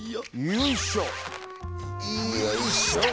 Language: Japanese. よいしょ！